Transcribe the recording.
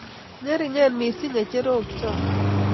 Ngeringen missing ngecherok cho